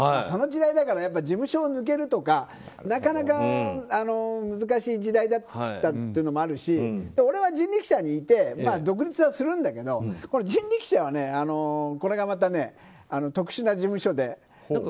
その時代だから事務所を抜けるとかなかなか難しい時代だったというのもあるし俺は人力舎にいて独立はするんだけど人力舎は、特殊な事務所で。